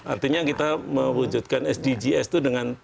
artinya kita mewujudkan sdgs itu dengan